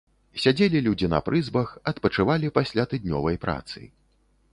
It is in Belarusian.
Сядзелі людзі на прызбах, адпачывалі пасля тыднёвай працы.